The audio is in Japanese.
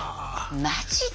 マジで？